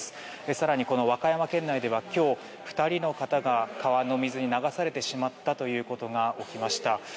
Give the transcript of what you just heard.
更に和歌山県内では今日、２人の方が川の水に流されてしまったことが起きました。